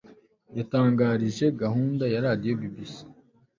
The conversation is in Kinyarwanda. yatangarije gahunda ya radiyo bbc